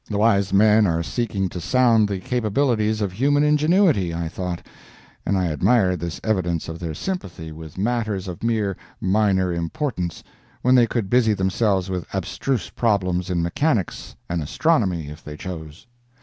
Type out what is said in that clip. The wise men are seeking to sound the capabilities of human ingenuity, I thought, and I admired this evidence of their sympathy with matters of mere minor importance when they could busy themselves with abstruse problems in mechanics and astronomy, if they chose.